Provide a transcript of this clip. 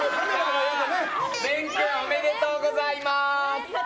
れん君、おめでとうございます。